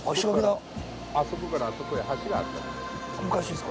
あそこからあそこへ橋があったんです。